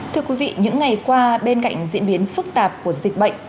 thưa quý vị những ngày qua bên cạnh diễn biến phức tạp của dịch bệnh